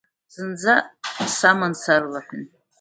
Зынӡа саман сарлаҳәын…